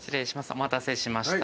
お待たせしました。